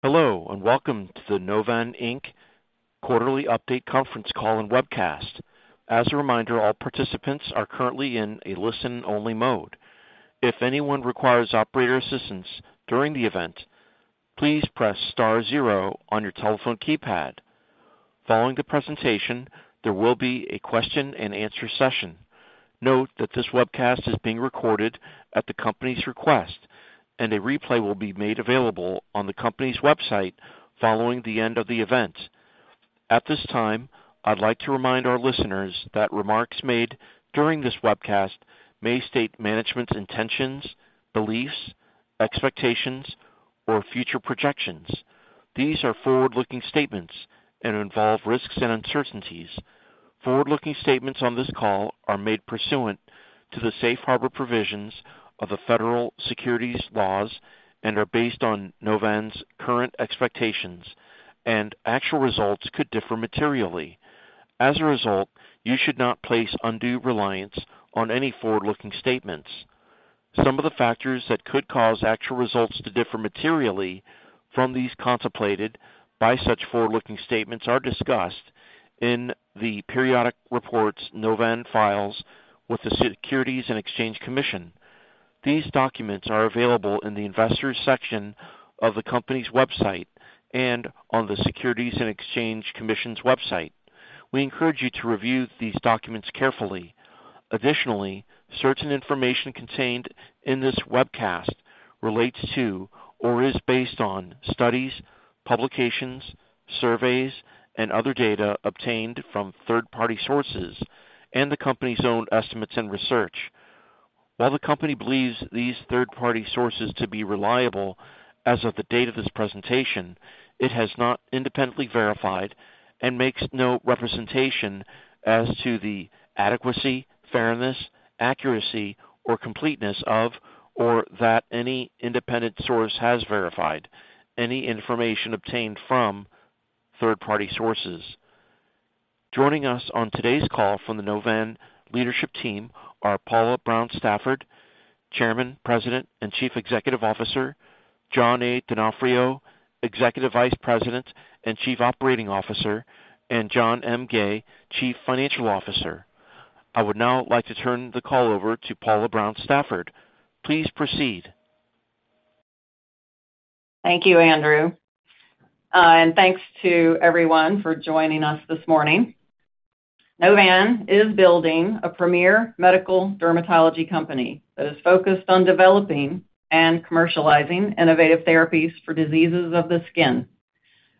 Hello, welcome to the Novan, Inc. quarterly update conference call and webcast. As a reminder, all participants are currently in a listen-only mode. If anyone requires operator assistance during the event, please press *0 on your telephone keypad. Following the presentation, there will be a question-and-answer session. Note that this webcast is being recorded at the company's request, and a replay will be made available on the company's website following the end of the event. At this time, I'd like to remind our listeners that remarks made during this webcast may state management's intentions, beliefs, expectations, or future projections. These are forward-looking statements and involve risks and uncertainties. Forward-looking statements on this call are made pursuant to the safe harbor provisions of the federal securities laws and are based on Novan's current expectations, and actual results could differ materially. As a result, you should not place undue reliance on any forward-looking statements. Some of the factors that could cause actual results to differ materially from these contemplated by such forward-looking statements are discussed in the periodic reports Novan files with the Securities and Exchange Commission. These documents are available in the Investors section of the company's website and on the Securities and Exchange Commission's website. We encourage you to review these documents carefully. Additionally, certain information contained in this webcast relates to or is based on studies, publications, surveys, and other data obtained from third-party sources and the company's own estimates and research. While the company believes these third-party sources to be reliable as of the date of this presentation, it has not independently verified and makes no representation as to the adequacy, fairness, accuracy, or completeness of, or that any independent source has verified any information obtained from third-party sources. Joining us on today's call from the Novan leadership team are Paula Brown Stafford, Chairman, President, and Chief Executive Officer, John A. Donofrio, Executive Vice President and Chief Operating Officer, and John M. Gay, Chief Financial Officer. I would now like to turn the call over to Paula Brown Stafford. Please proceed. Thank you, Andrew. Thanks to everyone for joining us this morning. Novan is building a premier medical dermatology company that is focused on developing and commercializing innovative therapies for diseases of the skin.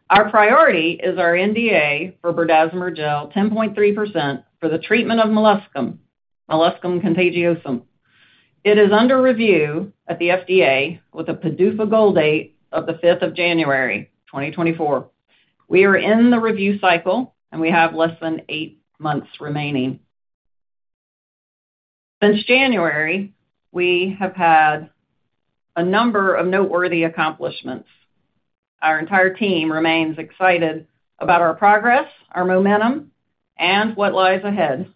Our priority is our NDA for berdazimer gel 10.3% for the treatment of molluscum contagiosum. It is under review at the FDA with a PDUFA goal date of 5th January, 2024. We are in the review cycle, and we have less than eight months remaining. Since January, we have had a number of noteworthy accomplishments. Our entire team remains excited about our progress, our momentum, and what lies ahead.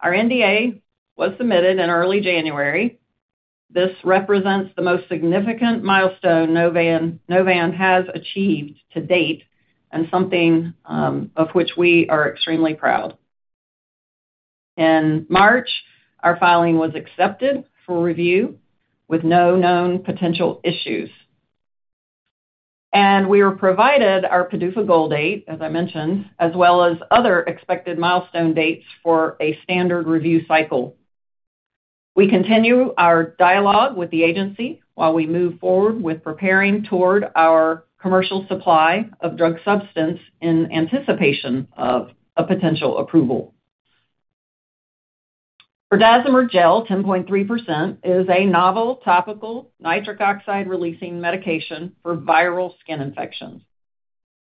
Our NDA was submitted in early January. This represents the most significant milestone Novan has achieved to date and something of which we are extremely proud. In March, our filing was accepted for review with no known potential issues, and we were provided our PDUFA goal date, as I mentioned, as well as other expected milestone dates for a standard review cycle. We continue our dialogue with the agency while we move forward with preparing toward our commercial supply of drug substance in anticipation. Berdazimer gel 10.3% is a novel topical nitric oxide-releasing medication for viral skin infections.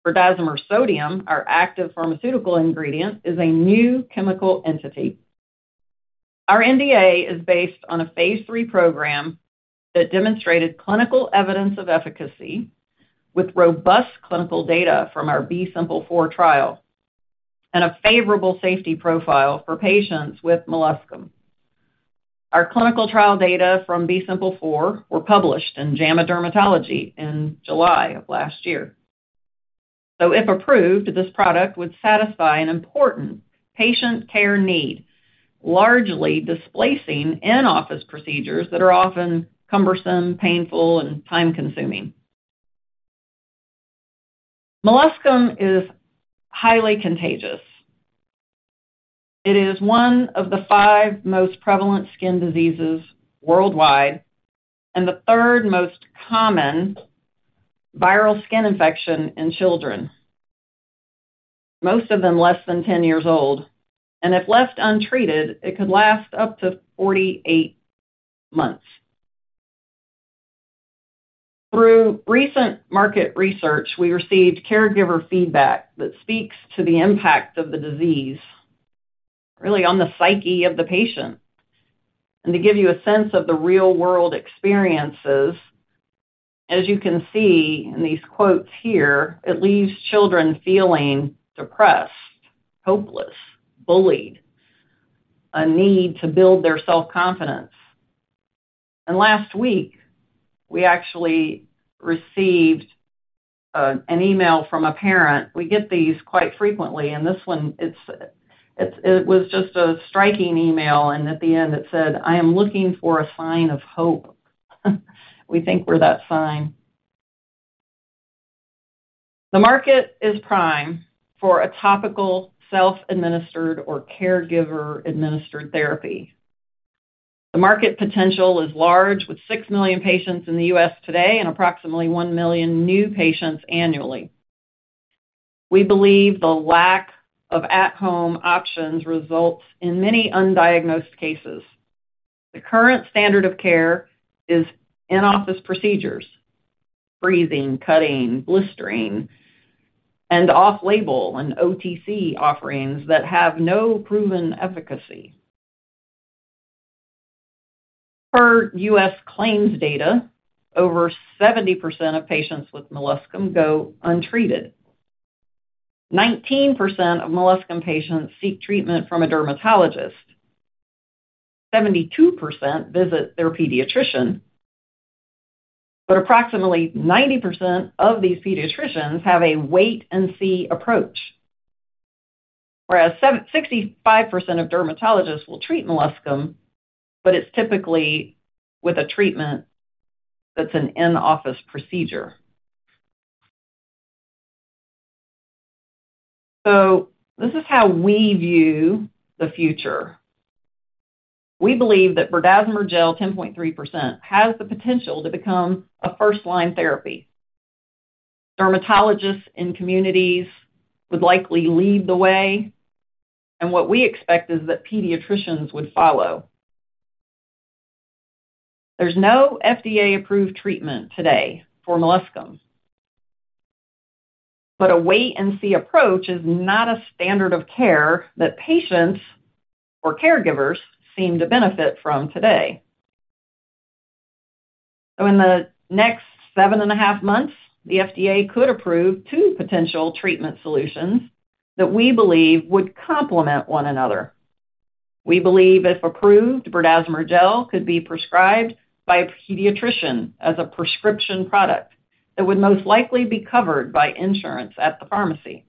Berdazimer sodium, our active pharmaceutical ingredient, is a new chemical entity. Our NDA is based on a Phase 3 program that demonstrated clinical evidence of efficacy with robust clinical data from our B-SIMPLE4 trial and a favorable safety profile for patients with molluscum. Our clinical trial data from B-SIMPLE4 were published in JAMA Dermatology in July of last year. If approved, this product would satisfy an important patient care need, largely displacing in-office procedures that are often cumbersome, painful, and time-consuming. Molluscum is highly contagious. It is one of the 5 most prevalent skin diseases worldwide and the 3rd most common viral skin infection in children, most of them less than 10 years old. If left untreated, it could last up to 48 months. Through recent market research, we received caregiver feedback that speaks to the impact of the disease really on the psyche of the patient. To give you a sense of the real-world experiences, as you can see in these quotes here, it leaves children feeling depressed, hopeless, bullied. A need to build their self-confidence. Last week, we actually received an email from a parent. We get these quite frequently, and this one, it was just a striking email, and at the end it said, "I am looking for a sign of hope." We think we're that sign. The market is prime for a topical self-administered or caregiver-administered therapy. The market potential is large, with 6 million patients in the U.S. today and approximately 1 million new patients annually. We believe the lack of at-home options results in many undiagnosed cases. The current standard of care is in-office procedures, freezing, cutting, blistering, and off-label and OTC offerings that have no proven efficacy. Per U.S. claims data, over 70% of patients with molluscum go untreated. 19% of molluscum patients seek treatment from a dermatologist. 72% visit their pediatrician. Approximately 90% of these pediatricians have a wait and see approach, whereas 65% of dermatologists will treat molluscum, but it's typically with a treatment that's an in-office procedure. This is how we view the future. We believe that berdazimer gel 10.3% has the potential to become a first-line therapy. Dermatologists in communities would likely lead the way, and what we expect is that pediatricians would follow. There's no FDA-approved treatment today for molluscum, but a wait and see approach is not a standard of care that patients or caregivers seem to benefit from today. In the next seven and a half months, the FDA could approve two potential treatment solutions that we believe would complement one another. We believe, if approved, berdazimer gel could be prescribed by a pediatrician as a prescription product that would most likely be covered by insurance at the pharmacy.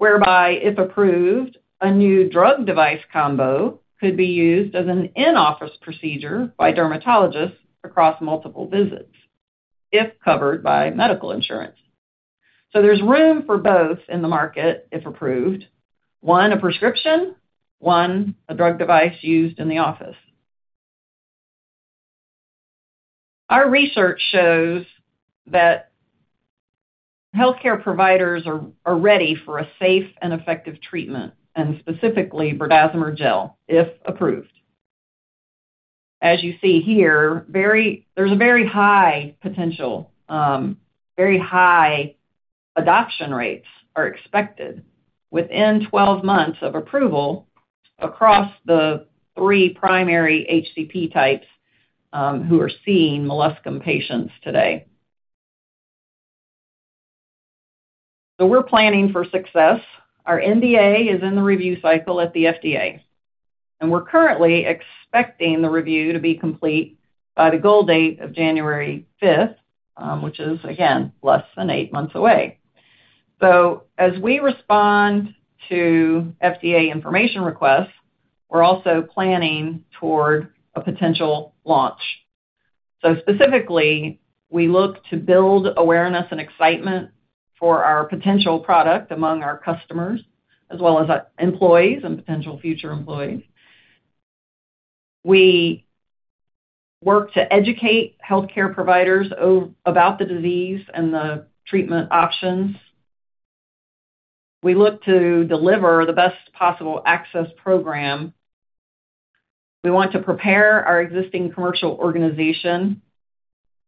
If approved, a new drug device combo could be used as an in-office procedure by dermatologists across multiple visits if covered by medical insurance. There's room for both in the market if approved. One, a prescription, one, a drug device used in the office. Our research shows that healthcare providers are ready for a safe and effective treatment, and specifically berdazimer gel if approved. As you see here, there's a very high potential, very high adoption rates are expected within 12 months of approval across the 3 primary HCP types who are seeing molluscum patients today. We're planning for success. Our NDA is in the review cycle at the FDA. We're currently expecting the review to be complete by the goal date of 5th January, which is again less than 8 months away. As we respond to FDA information requests, we're also planning toward a potential launch. Specifically, we look to build awareness and excitement for our potential product among our customers as well as employees and potential future employees. We work to educate healthcare providers about the disease and the treatment options. We look to deliver the best possible access program. We want to prepare our existing commercial organization.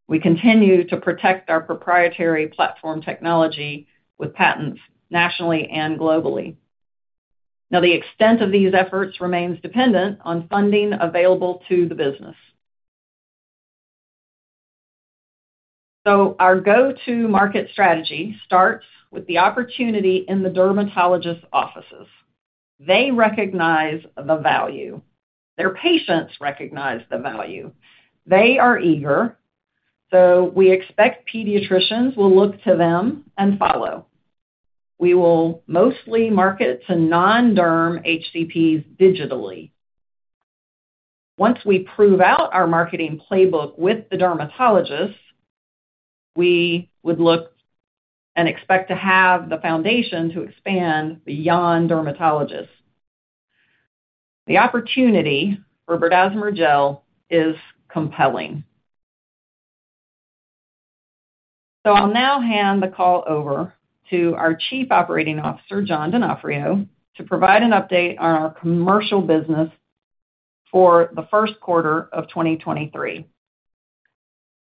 We continue to protect our proprietary platform technology with patents nationally and globally. The extent of these efforts remains dependent on funding available to the business. Our go-to market strategy starts with the opportunity in the dermatologist offices. They recognize the value. Their patients recognize the value. They are eager, we expect pediatricians will look to them and follow. We will mostly market to non-derm HCPs digitally. Once we prove out our marketing playbook with the dermatologists, we would look and expect to have the foundation to expand beyond dermatologists. The opportunity for berdazimer gel is compelling. I'll now hand the call over to our Chief Operating Officer, John Donofrio, to provide an update on our commercial business for the Q1 of 2023.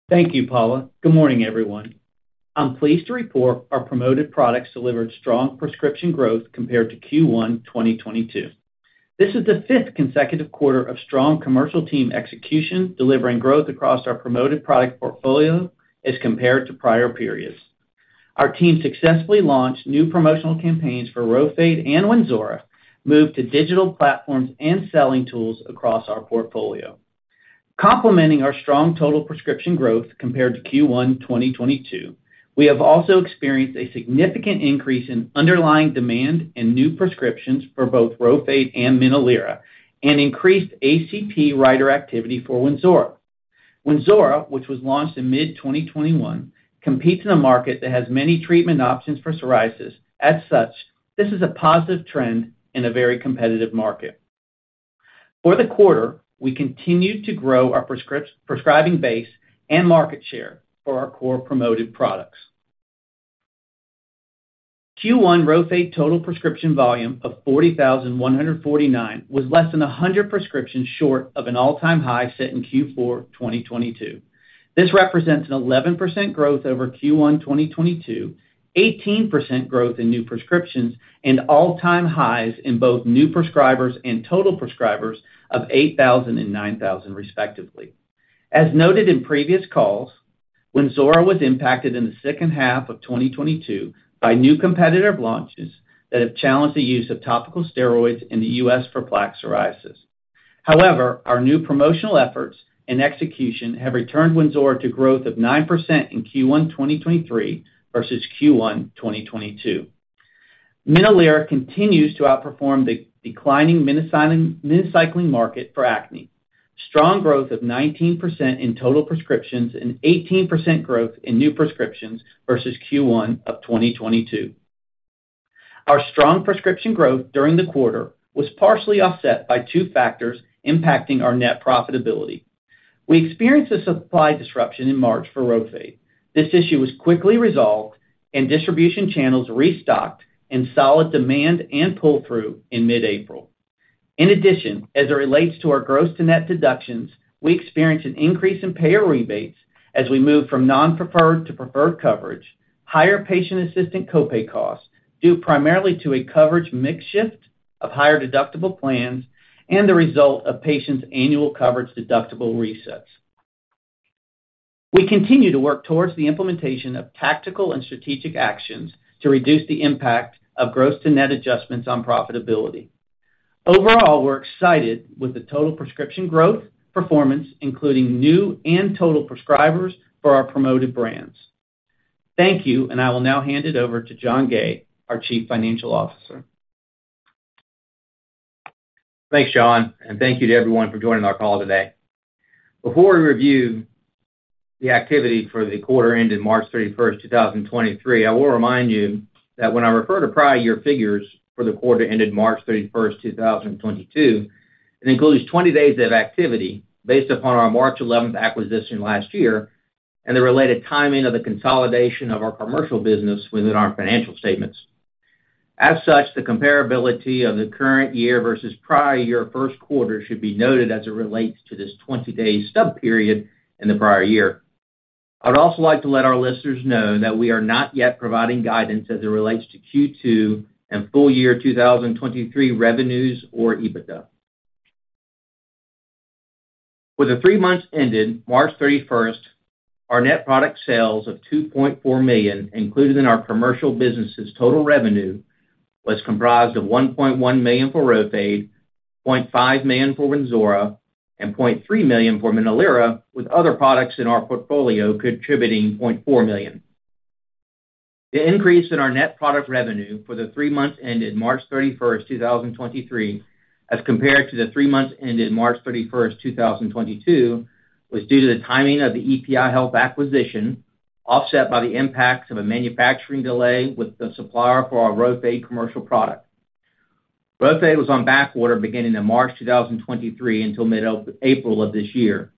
Thank you, Paula. Good morning, everyone. I'm pleased to report our promoted products delivered strong prescription growth compared to Q1 2022. This is the fifth consecutive quarter of strong commercial team execution, delivering growth across our promoted product portfolio as compared to prior periods. Our team successfully launched new promotional campaigns for RHOFADE and WYNZORA, moved to digital platforms and selling tools across our portfolio. Complementing our strong total prescription growth compared to Q1 2022, we have also experienced a significant increase in underlying demand and new prescriptions for both RHOFADE and MINOLIRA, and increased HCP writer activity for WYNZORA. WYNZORA, which was launched in mid-2021, competes in a market that has many treatment options for psoriasis. This is a positive trend in a very competitive market. For the quarter, we continued to grow our prescribing base and market share for our core promoted products. Q1 RHOFADE total prescription volume of 40,149 was less than 100 prescriptions short of an all-time high set in Q4 2022. This represents an 11% growth over Q1 2022, 18% growth in new prescriptions, and all-time highs in both new prescribers and total prescribers of 8,000 and 9,000 respectively. As noted in previous calls, WYNZORA was impacted in the second half of 2022 by new competitive launches that have challenged the use of topical steroids in the U.S. for plaque psoriasis. Our new promotional efforts and execution have returned WYNZORA to growth of 9% in Q1 2023 versus Q1 2022. MINOLIRA continues to outperform the declining minocycline market for acne. Strong growth of 19% in total prescriptions and 18% growth in new prescriptions versus Q1 of 2022. Our strong prescription growth during the quarter was partially offset by two factors impacting our net profitability. We experienced a supply disruption in March for RHOFADE. This issue was quickly resolved and distribution channels restocked in solid demand and pull-through in mid-April. As it relates to our gross-to-net deductions, we experienced an increase in payer rebates as we moved from non-preferred to preferred coverage, higher patient assistant co-pay costs, due primarily to a coverage mix shift of higher deductible plans, and the result of patients' annual coverage deductible resets. We continue to work towards the implementation of tactical and strategic actions to reduce the impact of gross-to-net adjustments on profitability. Overall, we're excited with the total prescription growth performance, including new and total prescribers for our promoted brands. Thank you. I will now hand it over to John M. Gay, our Chief Financial Officer. Thanks, John, and thank you to everyone for joining our call today. Before we review the activity for the quarter ending 31st March, 2023, I will remind you that when I refer to prior year figures for the quarter ending March 31, 2022, it includes 20 days of activity based upon our March 11 acquisition last year and the related timing of the consolidation of our commercial business within our financial statements. As such, the comparability of the current year versus prior year Q1 should be noted as it relates to this 20-day sub-period in the prior year. I would also like to let our listeners know that we are not yet providing guidance as it relates to Q2 and full year 2023 revenues or EBITDA. For the 3 months ending March 31st, our net product sales of $2.4 million included in our commercial business's total revenue was comprised of $1.1 million for RHOFADE, $0.5 million for WYNZORA, and $0.3 million for MINOLIRA, with other products in our portfolio contributing $0.4 million. The increase in our net product revenue for the 3 months ending 31st March, 2023, as compared to the 3 months ending March 31st, 2022, was due to the timing of the EPI Health acquisition, offset by the impacts of a manufacturing delay with the supplier for our RHOFADE commercial product. RHOFADE was on backorder beginning in March 2023 until mid-April of this year.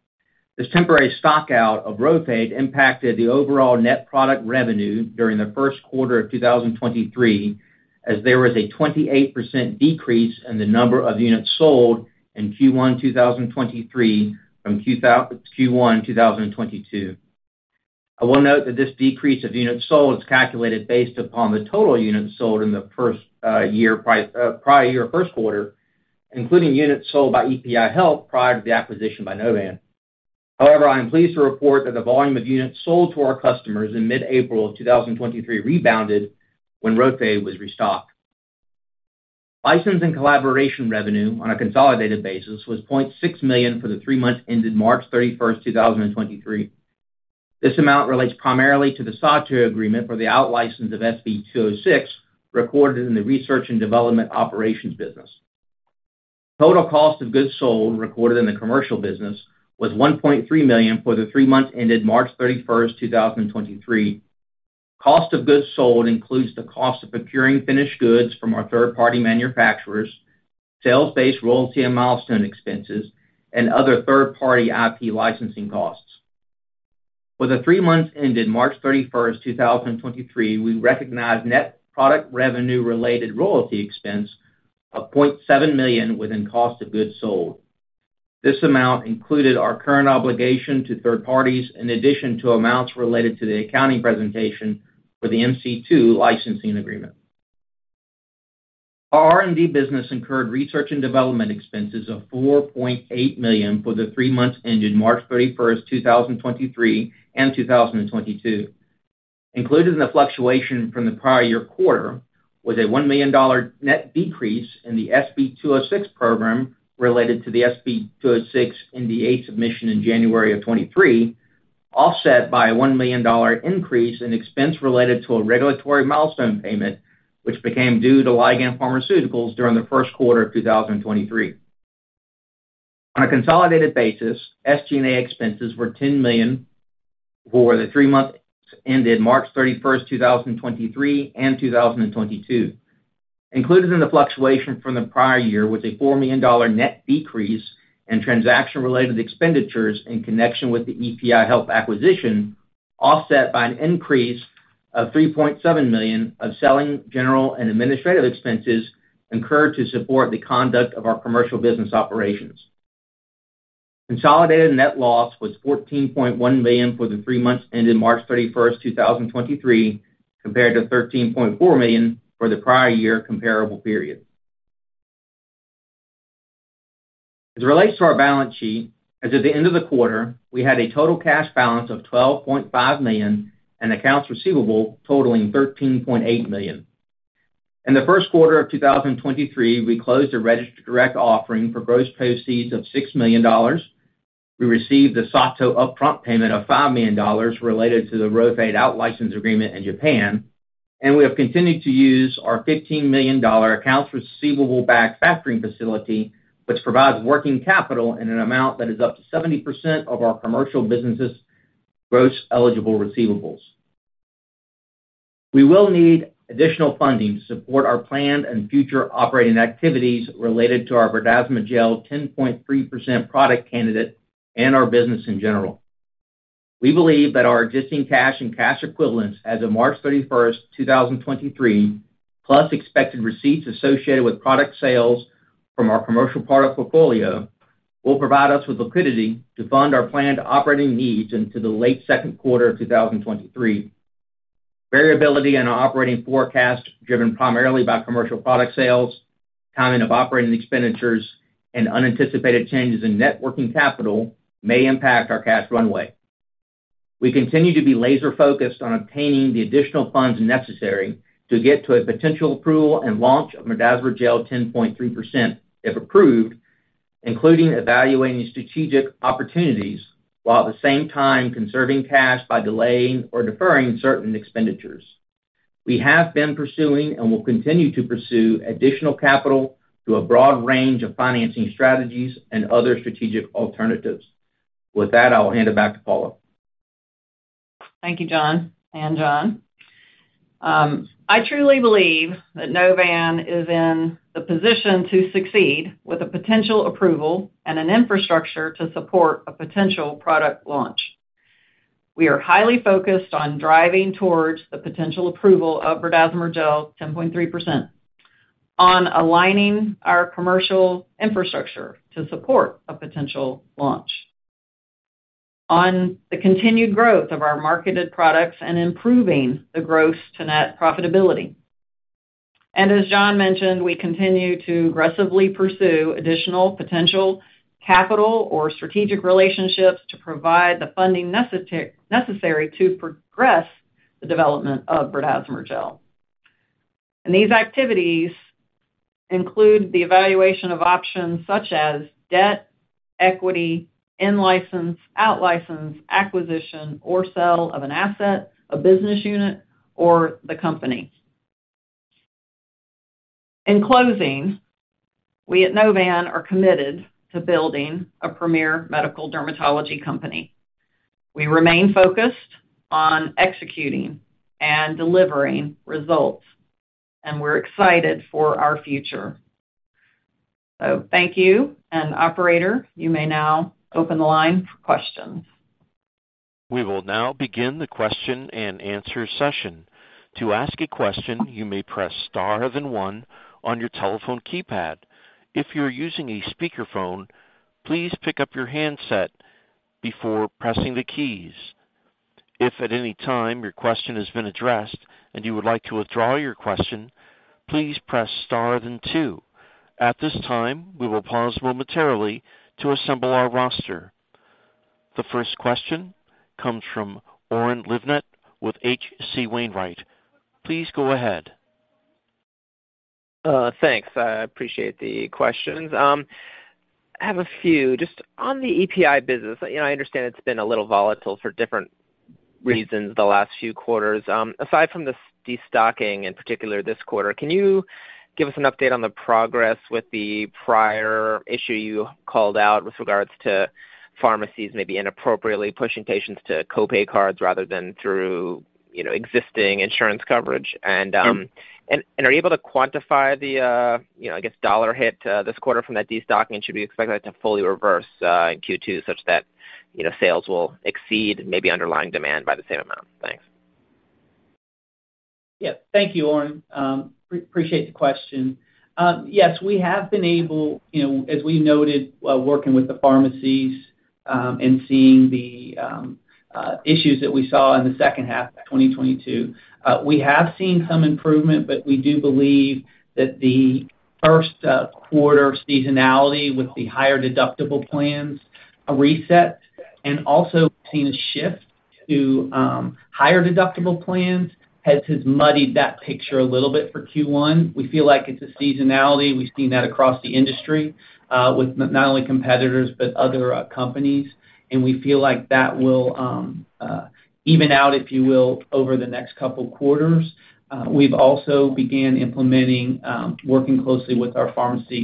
This temporary stock out of RHOFADE impacted the overall net product revenue during the Q1 of 2023, as there was a 28% decrease in the number of units sold in Q1 2023 from Q1 2022. I will note that this decrease of units sold is calculated based upon the total units sold in the first year, prior year Q1, including units sold by EPI Health prior to the acquisition by Novan. I am pleased to report that the volume of units sold to our customers in mid-April of 2023 rebounded when RHOFADE was restocked. License and collaboration revenue on a consolidated basis was $0.6 million for the three months ending 31st March, 2023. This amount relates primarily to the Sartre agreement for the out-license of SB206 recorded in the research and development operations business. Total cost of goods sold recorded in the commercial business was $1.3 million for the three months ending 31st March, 2023. Cost of goods sold includes the cost of procuring finished goods from our third-party manufacturers, sales-based royalty and milestone expenses, and other third-party IP licensing costs. For the three months ending 31st March, 2023, we recognized net product revenue-related royalty expense of $0.7 million within cost of goods sold. This amount included our current obligation to third parties in addition to amounts related to the accounting presentation for the MC2 licensing agreement. Our R&D business incurred research and development expenses of $4.8 million for the three months ended 31st March, 2023 and 2022. Included in the fluctuation from the prior year quarter was a $1 million net decrease in the SB206 program related to the SB206 NDA submission in January of 2023, offset by a $1 million increase in expense related to a regulatory milestone payment, which became due to Ligand Pharmaceuticals during the 1st quarter of 2023. On a consolidated basis, SG&A expenses were $10 million for the 3 months ended 31st March, 2023 and 2022. Included in the fluctuation from the prior year was a $4 million net decrease in transaction-related expenditures in connection with the EPI Health acquisition, offset by an increase of $3.7 million of selling, general, and administrative expenses incurred to support the conduct of our commercial business operations. Consolidated net loss was $14.1 million for the 3 months ended 31st March, 2023, compared to $13.4 million for the prior year comparable period. As it relates to our balance sheet, as at the end of the quarter, we had a total cash balance of $12.5 million and accounts receivable totaling $15.8 million. In the 1st quarter of 2023, we closed a registered direct offering for gross proceeds of $6 million. We received the Sato upfront payment of $5 million related to the RHOFADE license agreement in Japan, and we have continued to use our $15 million accounts receivable backed factoring facility, which provides working capital in an amount that is up to 70% of our commercial business's gross eligible receivables. We will need additional funding to support our planned and future operating activities related to our berdazimer gel 10.3% product candidate and our business in general. We believe that our existing cash and cash equivalents as of 31st March, 2023, plus expected receipts associated with product sales from our commercial product portfolio, will provide us with liquidity to fund our planned operating needs into the late Q2 of 2023. Variability in our operating forecast, driven primarily by commercial product sales, timing of operating expenditures, and unanticipated changes in net working capital may impact our cash runway. We continue to be laser-focused on obtaining the additional funds necessary to get to a potential approval and launch of berdazimer gel 10.3%, if approved, including evaluating strategic opportunities, while at the same time conserving cash by delaying or deferring certain expenditures. We have been pursuing and will continue to pursue additional capital through a broad range of financing strategies and other strategic alternatives. With that, I'll hand it back to Paula. Thank you, John and John. I truly believe that Novan is in the position to succeed with a potential approval and an infrastructure to support a potential product launch. We are highly focused on driving towards the potential approval of berdazimer gel 10.3% on aligning our commercial infrastructure to support a potential launch, on the continued growth of our marketed products and improving the gross-to-net profitability. As John mentioned, we continue to aggressively pursue additional potential capital or strategic relationships to provide the funding necessary to progress the development of berdazimer gel. These activities include the evaluation of options such as debt, equity, in-license, out-license, acquisition, or sell of an asset, a business unit, or the company. In closing, we at Novan are committed to building a premier medical dermatology company. We remain focused on executing and delivering results, and we're excited for our future. Thank you, and operator, you may now open the line for questions. We will now begin the question and answer session. To ask a question, you may press * then 1 on your telephone keypad. If you're using a speakerphone, please pick up your handset before pressing the keys. If at any time your question has been addressed and you would like to withdraw your question, please press * then 2. At this time, we will pause momentarily to assemble our roster. The first question comes from Oren Livnat with H.C. Wainwright. Please go ahead. Thanks. I appreciate the questions. I have a few. Just on the EPI business, you know, I understand it's been a little volatile for different reasons the last few quarters. Aside from the destocking in particular this quarter, can you give us an update on the progress with the prior issue you called out with regards to pharmacies maybe inappropriately pushing patients to co-pay cards rather than through, you know, existing insurance coverage? Are you able to quantify the, you know, I guess dollar hit, this quarter from that destocking? Should we expect that to fully reverse in Q2 such that, you know, sales will exceed maybe underlying demand by the same amount? Thanks. Yeah. Thank you, Oren. Appreciate the question. Yes, we have been able, you know, as we noted, working with the pharmacies. Seeing the issues that we saw in the second half of 2022. We have seen some improvement, we do believe that the Q1 seasonality with the higher deductible plans reset, and also seeing a shift to higher deductible plans has muddied that picture a little bit for Q1. We feel like it's a seasonality. We've seen that across the industry, with not only competitors, but other companies. We feel like that will even out, if you will, over the next couple quarters. We've also began implementing, working closely with our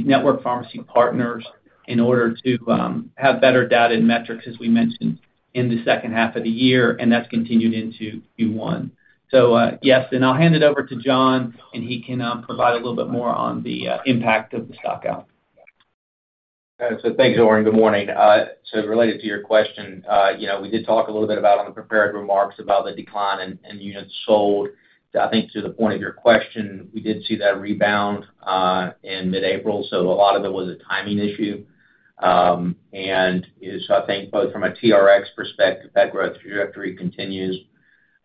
network pharmacy partners in order to have better data and metrics, as we mentioned, in the second half of the year, and that's continued into Q1. Yes, and I'll hand it over to John, and he can provide a little bit more on the impact of the stockout. Thanks, Oren. Good morning. Related to your question, you know, we did talk a little bit about on the prepared remarks about the decline in units sold. I think to the point of your question, we did see that rebound in mid-April, a lot of it was a timing issue. I think both from a TRx perspective, that growth trajectory continues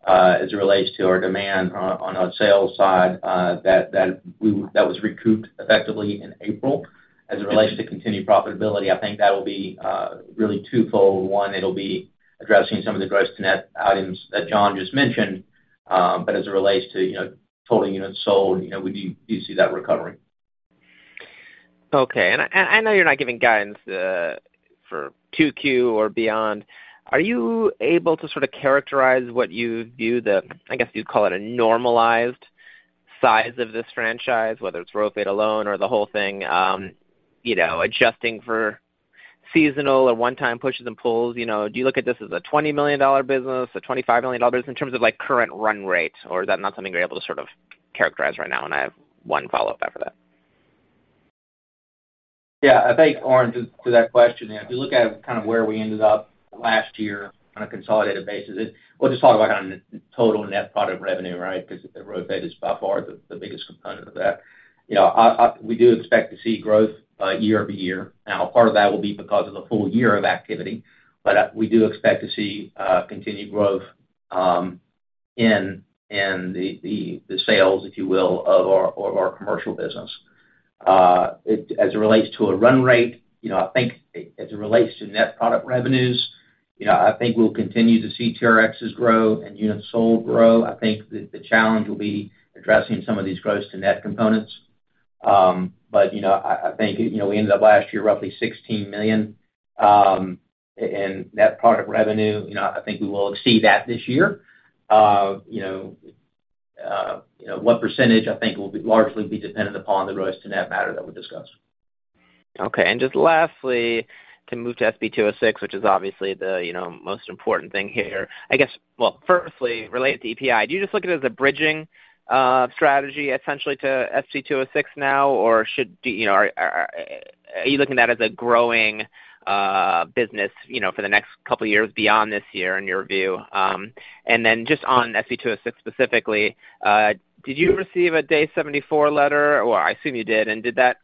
as it relates to our demand on a sales side, that was recouped effectively in April. As it relates to continued profitability, I think that will be really twofold. One, it'll be addressing some of the gross-to-net items that John just mentioned. As it relates to, you know, total units sold, you know, we do see that recovering. Okay. I know you're not giving guidance for 2Q or beyond. Are you able to sort of characterize what you view the, I guess, you'd call it a normalized size of this franchise, whether it's RHOFADE alone or the whole thing, you know, adjusting for seasonal or one-time pushes and pulls? You know, do you look at this as a $20 million business, a $25 million business in terms of, like, current run rate, or is that not something you're able to sort of characterize right now? I have one follow-up after that. Yeah. I think, Oren, to that question, if you look at kind of where we ended up last year on a consolidated basis, we'll just talk about on total net product revenue, right, because the RHOFADE is by far the biggest component of that. You know, we do expect to see growth year-over-year. Part of that will be because of the full year of activity, but we do expect to see continued growth in the sales, if you will, of our commercial business. As it relates to a run rate, you know, I think as it relates to net product revenues, you know, I think we'll continue to see TRxs grow and units sold grow. I think the challenge will be addressing some of these gross-to-net components. You know, I think, you know, we ended up last year roughly $16 million in net product revenue. You know, I think we will exceed that this year. What percentage I think will be largely be dependent upon the gross-to-net matter that we discussed. Okay. Just lastly, to move to SB206, which is obviously the, you know, most important thing here. I guess, well, firstly, related to EPI, do you just look at it as a bridging strategy essentially to SB206 now, or are you looking at that as a growing business, you know, for the next couple years beyond this year in your view? Then just on SB206 specifically, did you receive a Day 74 letter? Well, I assume you did. Did that,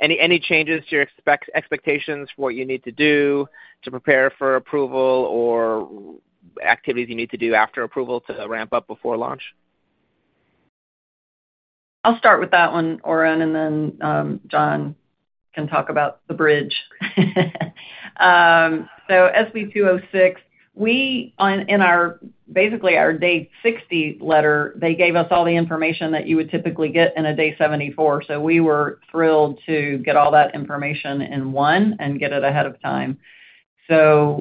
any changes to your expectations for what you need to do to prepare for approval or activities you need to do after approval to ramp up before launch? I'll start with that one, Oren, and then John can talk about the bridge. SB206, in our Day 60 letter, they gave us all the information that you would typically get in a Day 74. We were thrilled to get all that information in one and get it ahead of time.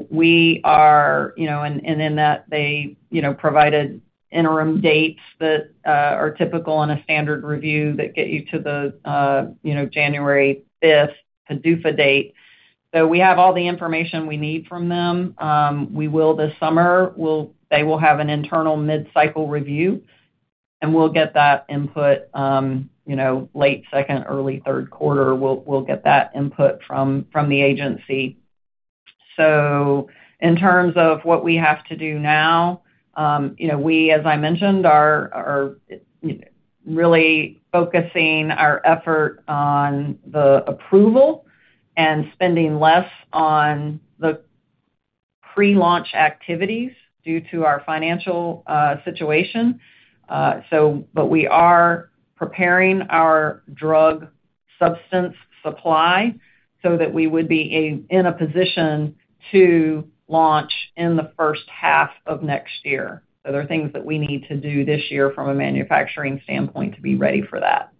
We are, you know. In that, they, you know, provided interim dates that are typical in a standard review that get you to the January 5th PDUFA date. We have all the information we need from them. This summer, they will have an internal mid-cycle review, and we'll get that input, you know, late Q2, early Q3, we'll get that input from the agency. In terms of what we have to do now, you know, we, as I mentioned, are, you know, really focusing our effort on the approval and spending less on the pre-launch activities due to our financial situation. But we are preparing our drug substance supply so that we would be in a position to launch in the first half of next year. There are things that we need to do this year from a manufacturing standpoint to be ready for that.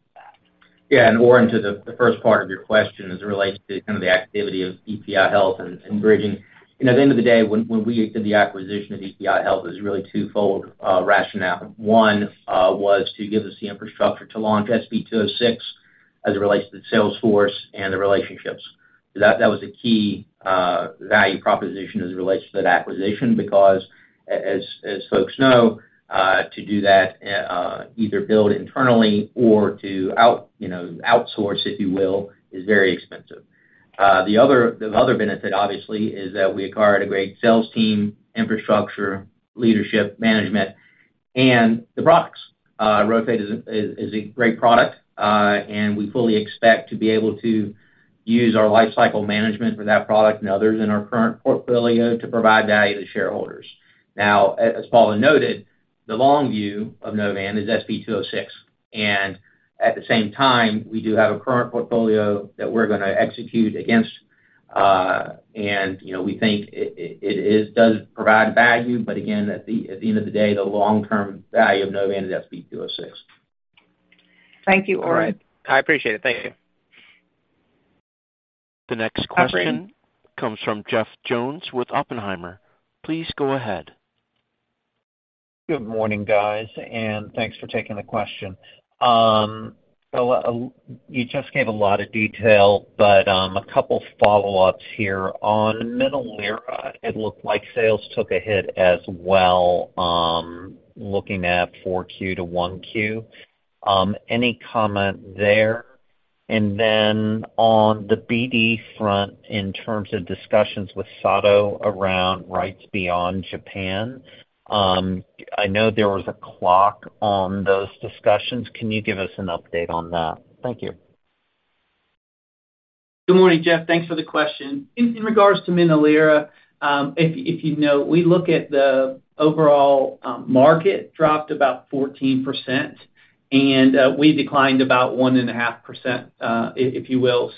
Yeah. Oren, to the first part of your question as it relates to kind of the activity of EPI Health and bridging. You know, at the end of the day, when we did the acquisition of EPI Health, it was really twofold rationale. One was to give us the infrastructure to launch SB206 as it relates to the sales force and the relationships. So that was a key value proposition as it relates to that acquisition because as folks know, to do that, either build internally or to out, you know, outsource, if you will, is very expensive. The other benefit obviously is that we acquired a great sales team, infrastructure, leadership, management. And the products, RHOFADE is a great product. We fully expect to be able to use our life cycle management for that product and others in our current portfolio to provide value to shareholders. Now, as Paula noted, the long view of Novan is SB206. At the same time, we do have a current portfolio that we're gonna execute against, and, you know, we think it does provide value. Again, at the end of the day, the long-term value of Novan is SB206. Thank you, Oren. All right. I appreciate it. Thank you. The next question comes from Jeff Jones with Oppenheimer. Please go ahead. Good morning, guys, and thanks for taking the question. You just gave a lot of detail, but, a couple of follow-ups here. On MINOLIRA, it looked like sales took a hit as well, looking at 4Q to 1Q. Any comment there? On the BD front, in terms of discussions with Sato around rights beyond Japan, I know there was a clock on those discussions. Can you give us an update on that? Thank you. Good morning, Jeff. Thanks for the question. In regards to MINOLIRA, if you know, we look at the overall market dropped about 14%, and we declined about 1.5%, if you will.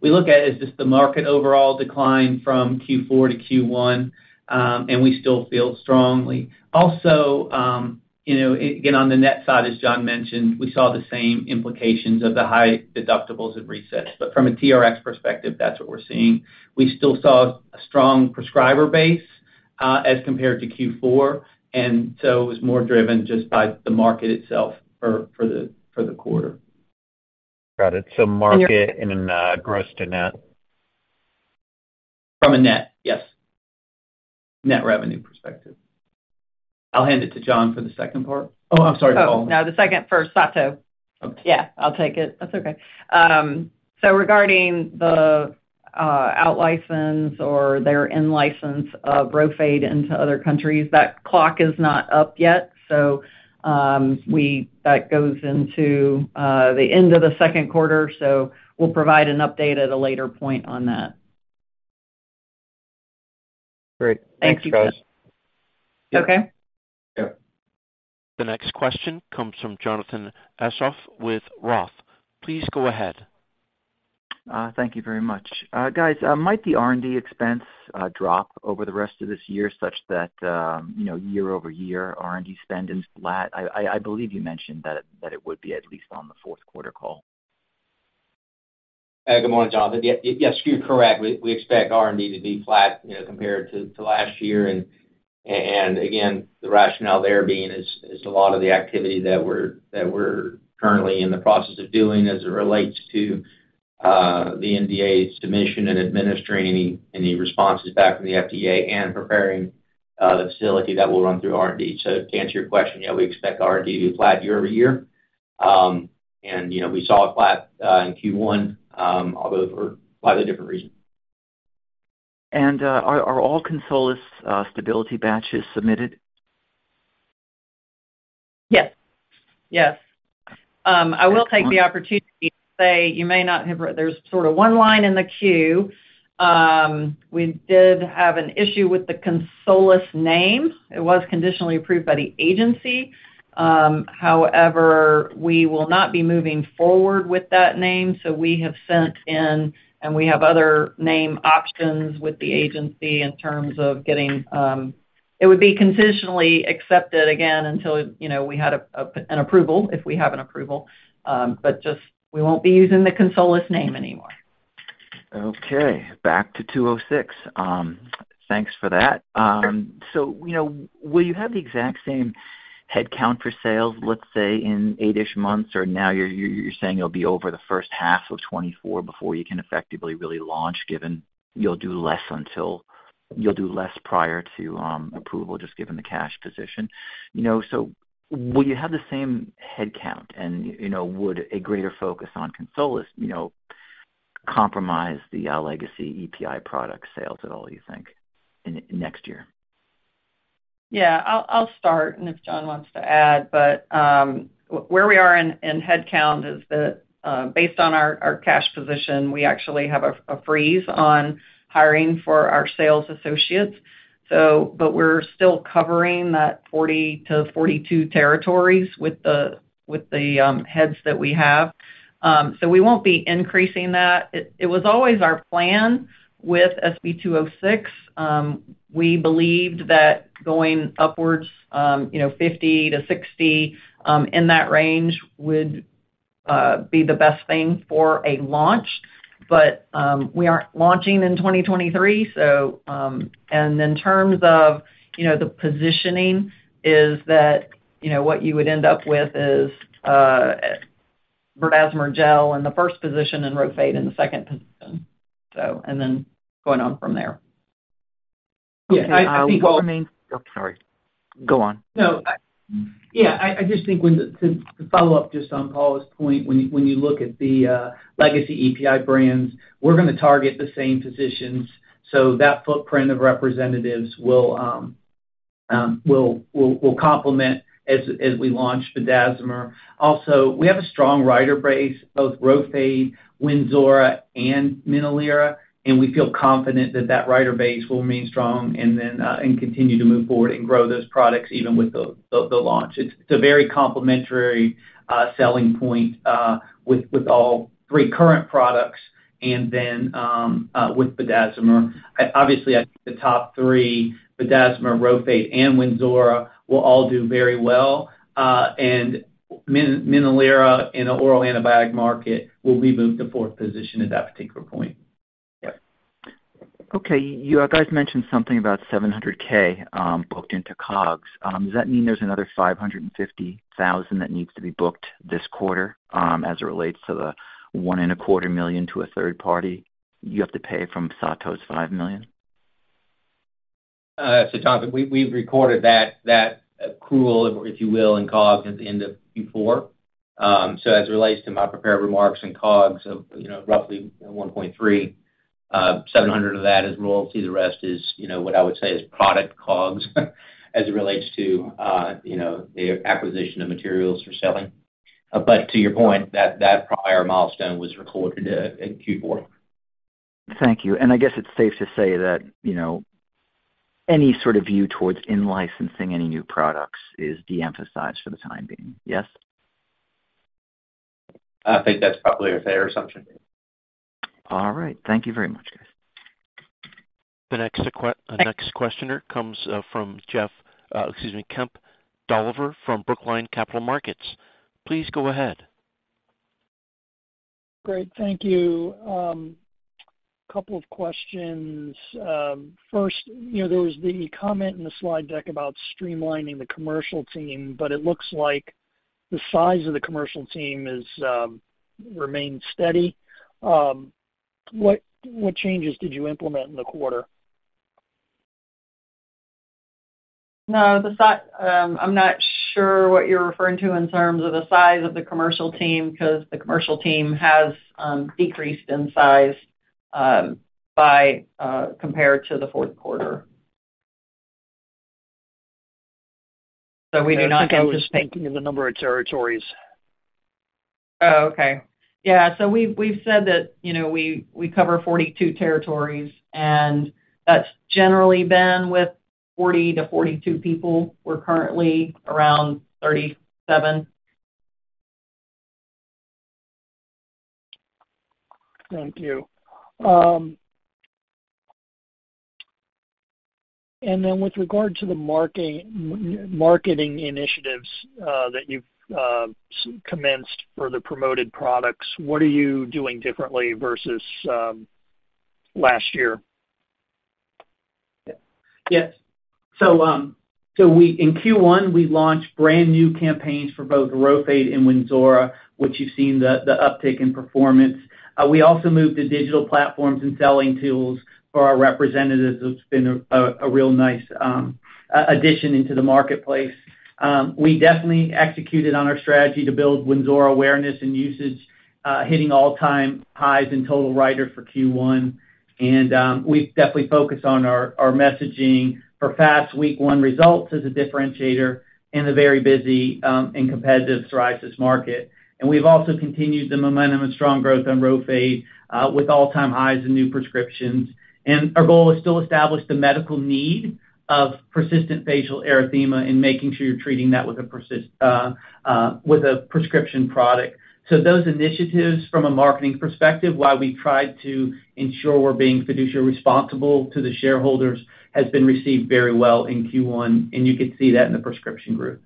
We look at it as just the market overall decline from Q4 to Q1. We still feel strongly. Also, you know, again, on the net side, as John mentioned, we saw the same implications of the high deductibles and resets. From a TRx perspective, that's what we're seeing. We still saw a strong prescriber base as compared to Q4. It was more driven just by the market itself for the quarter. Got it. market and then, gross-to-net. From a net, yes. Net revenue perspective. I'll hand it to John for the second part. Oh, I'm sorry, Paula. Oh, no, the second for Sato. Okay. Yeah, I'll take it. That's okay. Regarding the out-license or their in-license of RHOFADE into other countries, that clock is not up yet, so, that goes into the end of the Q2, so we'll provide an update at a later point on that. Great. Thanks, guys. Okay. Yeah. The next question comes from Jonathan Aschoff with Roth. Please go ahead. Thank you very much. Guys, might the R&D expense drop over the rest of this year such that, you know, year-over-year R&D spend is flat? I believe you mentioned that it would be at least on the Q4 call. Good morning, Jonathan. Yes, you're correct. We expect R&D to be flat, you know, compared to last year. Again, the rationale there being is a lot of the activity that we're currently in the process of doing as it relates to the NDA submission and administering any responses back from the FDA and preparing the facility that will run through R&D. To answer your question, yeah, we expect R&D to be flat year-over-year. You know, we saw it flat in Q1, although for slightly different reason. Are all Consolis stability batches submitted? Yes. Yes. I will take the opportunity to say you may not have read, there's sort of one line in the Q. We did have an issue with the Consolis name. It was conditionally approved by the agency. However, we will not be moving forward with that name. We have sent in and we have other name options with the agency in terms of getting. It would be conditionally accepted again until, you know, we had an approval, if we have an approval. Just we won't be using the Consolis name anymore. Okay. Back to SB206. Thanks for that. You know, will you have the exact same headcount for sales, let's say, in eight-ish months, or now you're saying it'll be over the first half of 2024 before you can effectively really launch, given you'll do less prior to approval, just given the cash position? You know, will you have the same headcount and, you know, would a greater focus on Consolis, you know, compromise the legacy EPI product sales at all, you think next year? Yeah. I'll start, and if John wants to add. Where we are in headcount is that, based on our cash position, we actually have a freeze on hiring for our sales associates. We're still covering that 40-42 territories with the heads that we have. We won't be increasing that. It was always our plan with SB206. We believed that going upwards, you know, 50-60, in that range would be the best thing for a launch. We aren't launching in 2023, so... And in terms of, you know, the positioning is that, you know, what you would end up with is berdazimer gel in the first position and RHOFADE in the second position. And then going on from there. Okay. Yeah. Oh, sorry. Go on. No. All right. Yeah. I just think when to follow up just on Paula's point, when you look at the legacy EPI brands, we're gonna target the same positions, so that footprint of representatives will. We'll complement as we launch Berdazimer. Also, we have a strong writer base, both RHOFADE, WYNZORA and MINOLIRA, and we feel confident that that writer base will remain strong and then continue to move forward and grow those products even with the launch. It's a very complementary selling point with all 3 current products and then with Berdazimer. Obviously, I think the top 3, Berdazimer, RHOFADE and WYNZORA, will all do very well. MINOLIRA in the oral antibiotic market will be moved to 4th position at that particular point. Yes. You guys mentioned something about $700K booked into COGS. Does that mean there's another $550,000 that needs to be booked this quarter as it relates to the $1.25 million to a third party you have to pay from Sato's $5 million? Jonathan, we've recorded that accrual, if you will, in COGS at the end of Q4. As it relates to my prepared remarks and COGS of, you know, roughly $1.3, $700 of that is royalty. The rest is, you know, what I would say is product COGS as it relates to, you know, the acquisition of materials for selling. To your point, that prior milestone was recorded in Q4. Thank you. I guess it's safe to say that, you know, any sort of view towards in-licensing any new products is de-emphasized for the time being. Yes? I think that's probably a fair assumption. All right. Thank you very much, guys. The next que- Thank- The next questioner comes from Kemp Dolliver from Brookline Capital Markets. Please go ahead. Great. Thank you. Couple of questions. First, you know, there was the comment in the slide deck about streamlining the commercial team, it looks like the size of the commercial team is remains steady. What changes did you implement in the quarter? No. I'm not sure what you're referring to in terms of the size of the commercial team, because the commercial team has decreased in size by compared to the Q4. We do not. I think I was thinking of the number of territories. Oh, okay. Yeah. We've said that, you know, we cover 42 territories, and that's generally been with 40 to 42 people. We're currently around 37. Thank you. Then with regard to the marketing initiatives, that you've commenced for the promoted products, what are you doing differently versus last year? Yes. In Q1, we launched brand new campaigns for both RHOFADE and WYNZORA, which you've seen the uptick in performance. We also moved to digital platforms and selling tools for our representatives, which has been a real nice addition into the marketplace. We definitely executed on our strategy to build WYNZORA awareness and usage, hitting all-time highs in total writer for Q1. We've definitely focused on our messaging for fast week one results as a differentiator in a very busy and competitive psoriasis market. We've also continued the momentum of strong growth on RHOFADE, with all-time highs and new prescriptions. Our goal is to establish the medical need of persistent facial erythema and making sure you're treating that with a prescription product. Those initiatives from a marketing perspective, while we try to ensure we're being fiduciary responsible to the shareholders, has been received very well in Q1, and you can see that in the prescription group.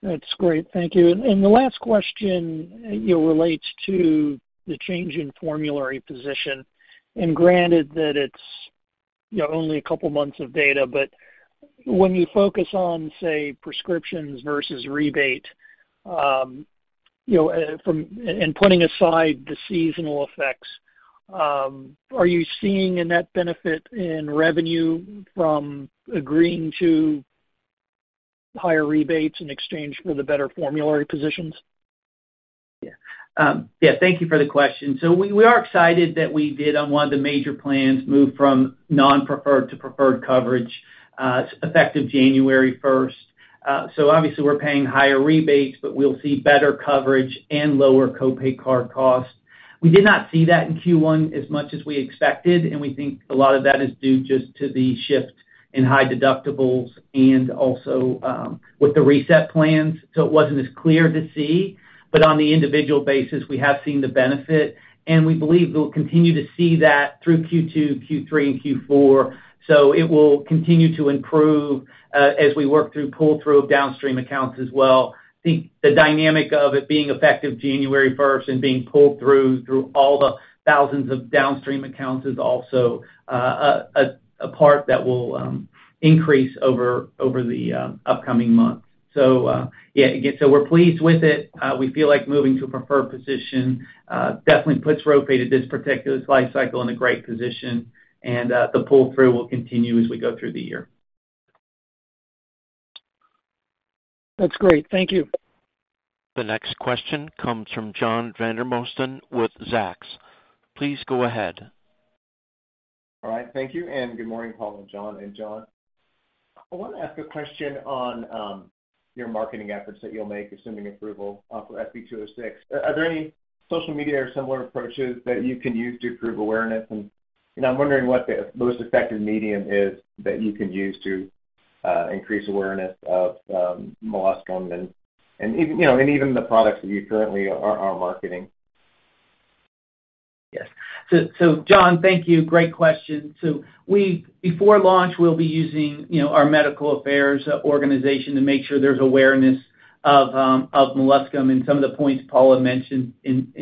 That's great. Thank you. The last question, you know, relates to the change in formulary position. Granted that it's, you know, only a couple months of data, but when you focus on, say, prescriptions versus rebate, you know, and putting aside the seasonal effects, are you seeing a net benefit in revenue from agreeing to higher rebates in exchange for the better formulary positions? Yeah. Thank you for the question. We are excited that we did on one of the major plans move from non-preferred to preferred coverage, effective January 1st. Obviously we're paying higher rebates, but we'll see better coverage and lower co-pay card costs. We did not see that in Q1 as much as we expected, we think a lot of that is due just to the shift in high deductibles and also, with the reset plans, it wasn't as clear to see. On the individual basis, we have seen the benefit, and we believe we'll continue to see that through Q2, Q3, and Q4. It will continue to improve, as we work through pull-through of downstream accounts as well. I think the dynamic of it being effective January 1st and being pulled through all the thousands of downstream accounts is also a part that will increase over the upcoming months. Yeah, again, so we're pleased with it. We feel like moving to a preferred position definitely puts RHOFADE at this particular life cycle in a great position, and the pull-through will continue as we go through the year. That's great. Thank you. The next question comes from John Vandermosten with Zacks. Please go ahead. All right, thank you, good morning, Paula, John, and John. I wanna ask a question on your marketing efforts that you'll make assuming approval for SB206. Are there any social media or similar approaches that you can use to improve awareness? you know, I'm wondering what the most effective medium is that you can use to increase awareness of Molluscum and, you know, even the products that you currently are marketing. Yes. John, thank you, great question. we before launch, we'll be using, you know, our medical affairs organization to make sure there's awareness of Molluscum and some of the points Paula mentioned in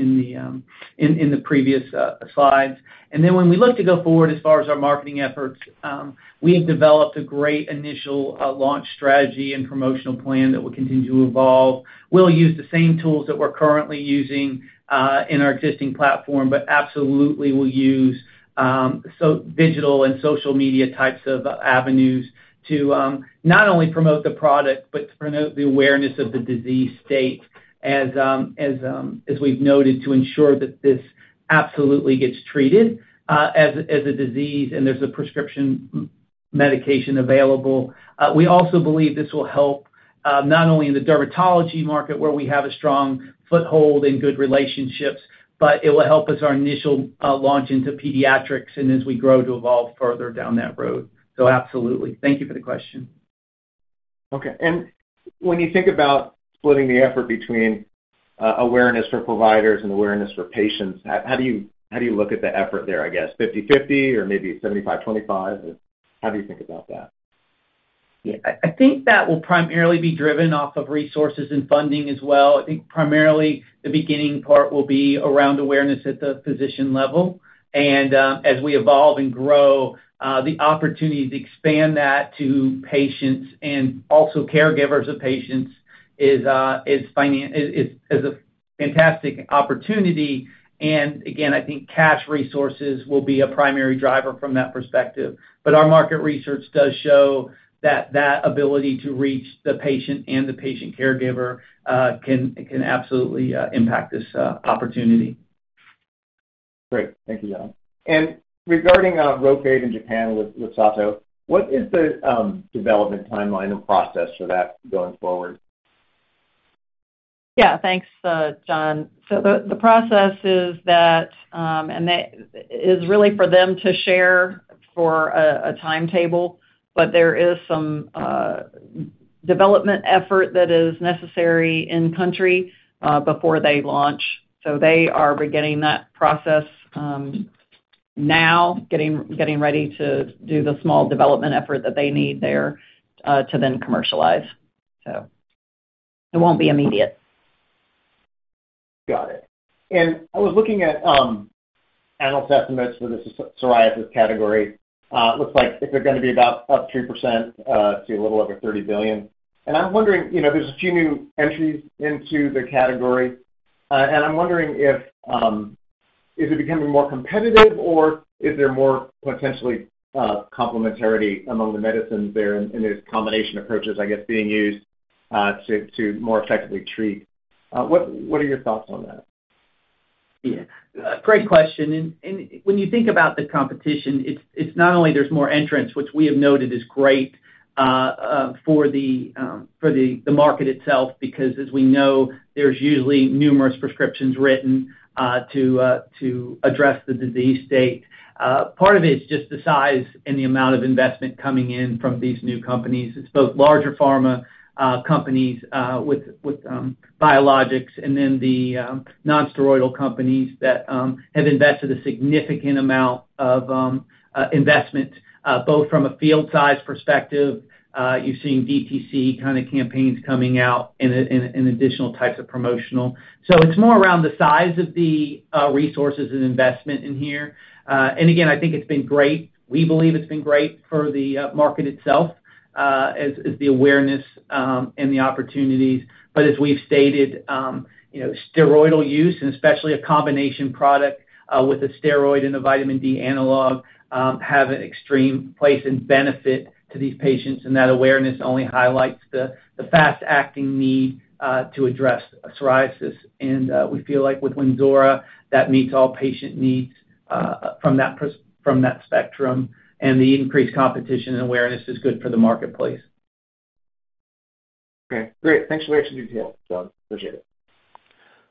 the previous slides. When we look to go forward as far as our marketing efforts, we have developed a great initial launch strategy and promotional plan that will continue to evolve. We'll use the same tools that we're currently using in our existing platform, but absolutely we'll use digital and social media types of avenues to not only promote the product but to promote the awareness of the disease state as we've noted, to ensure that this absolutely gets treated as a disease, and there's a prescription medication available. We also believe this will help not only in the dermatology market where we have a strong foothold and good relationships, but it will help us our initial launch into pediatrics and as we grow to evolve further down that road. Absolutely. Thank you for the question. Okay. When you think about splitting the effort between awareness for providers and awareness for patients, how do you look at the effort there, I guess? 50:50 or maybe 75:25? How do you think about that? Yeah. I think that will primarily be driven off of resources and funding as well. I think primarily the beginning part will be around awareness at the physician level, and, as we evolve and grow, the opportunity to expand that to patients and also caregivers of patients is a fantastic opportunity. Again, I think cash resources will be a primary driver from that perspective. Our market research does show that that ability to reach the patient and the patient caregiver, can absolutely impact this opportunity. Great. Thank you, John. Regarding RHOFADE in Japan with Sato, what is the development timeline and process for that going forward? Yeah. Thanks, John. The process is that, and that is really for them to share for a timetable, but there is some development effort that is necessary in country before they launch. They are beginning that process now, getting ready to do the small development effort that they need there to then commercialize. It won't be immediate. Got it. I was looking at analyst estimates for the psoriasis category. It looks like it's gonna be about up 2%, to a little over $30 billion. I'm wondering, you know, there's a few new entries into the category. I'm wondering if is it becoming more competitive or is there more potentially complementarity among the medicines there and there's combination approaches, I guess, being used to more effectively treat? What are your thoughts on that? Yeah. Great question. When you think about the competition, it's not only there's more entrants, which we have noted is great for the market itself, because as we know, there's usually numerous prescriptions written to address the disease state. Part of it is just the size and the amount of investment coming in from these new companies. It's both larger pharma companies with biologics and then the non-steroidal companies that have invested a significant amount of investment both from a field size perspective, you're seeing DTC kinda campaigns coming out and additional types of promotional. It's more around the size of the resources and investment in here. Again, I think it's been great. We believe it's been great for the market itself, as the awareness, and the opportunities. As we've stated, you know, steroidal use, and especially a combination product, with a steroid and a vitamin D analog, have an extreme place and benefit to these patients, and that awareness only highlights the fast-acting need to address psoriasis. We feel like with WYNZORA, that meets all patient needs, from that spectrum, and the increased competition and awareness is good for the marketplace. Okay, great. Thanks for the extra detail, John. Appreciate it.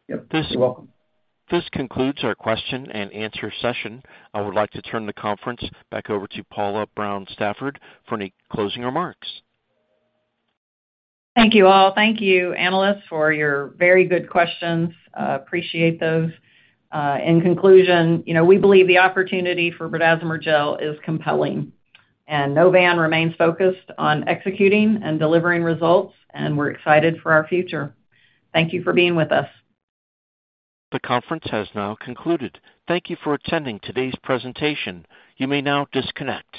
Yep. You're welcome. This concludes our question and answer session. I would like to turn the conference back over to Paula Brown Stafford for any closing remarks. Thank you all. Thank you, analysts, for your very good questions. appreciate those. In conclusion, you know, we believe the opportunity for berdazimer gel is compelling. Novan remains focused on executing and delivering results, and we're excited for our future. Thank you for being with us. The conference has now concluded. Thank you for attending today's presentation. You may now disconnect.